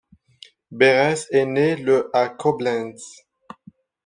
Berres est né le à Koblentz.